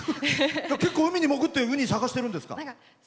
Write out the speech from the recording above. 結構、海に潜ってウニ探してるんですか？